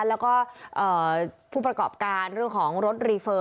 แล้วก็ผู้ประกอบการเรื่องของรถรีเฟอร์